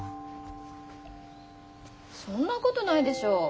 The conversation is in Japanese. そんなことないでしょ。